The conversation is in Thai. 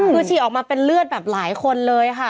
คือฉี่ออกมาเป็นเลือดแบบหลายคนเลยค่ะ